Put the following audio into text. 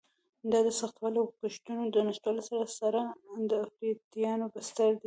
دا د سختوالي او کښتونو د نشتوالي سره سره د افراطیانو بستر دی.